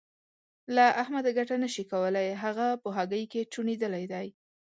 له احمده ګټه نه شې کولای؛ هغه په هګۍ کې چوڼېدلی دی.